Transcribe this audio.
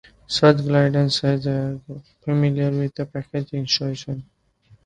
Schecter guitars sells guitars with Fishman Fluence pickups installed.